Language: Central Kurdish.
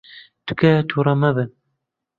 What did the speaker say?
تکایە تووڕە مەبن.